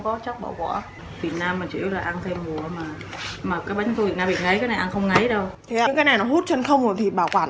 còn đồ của nó ít ít cái nào mắng